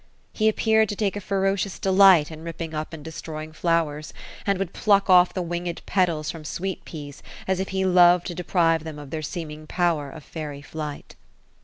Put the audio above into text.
He appeared to take a ferocious delight in ripping up and destroying flowers ; and would pluck off the winged petals from sweet peas, as if he loved to deprive them of their seeming power of fairy flight.